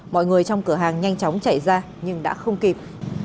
mọi người trong cửa hàng nhanh chóng chạy ra nhưng đã không kịp